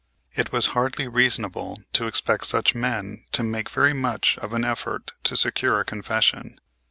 It was hardly reasonable to expect such men to make very much of an effort to secure a confession.